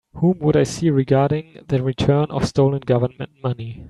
Whom would I see regarding the return of stolen Government money?